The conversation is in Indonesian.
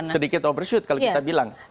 sedikit oversuit kalau kita bilang